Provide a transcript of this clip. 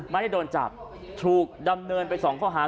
ไม่ได้โดนจับถูกดำเนินไปสองข้อหา